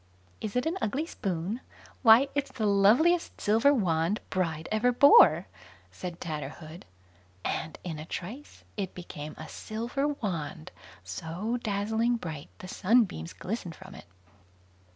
"Is it an ugly spoon? why, it's the loveliest silver wand bride ever bore", said Tatterhood; and in a trice it became a silver wand, so dazzling bright, the sunbeams glistened from it.